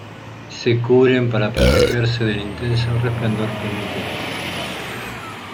Se cubren para protegerse del intenso resplandor que emite Dios.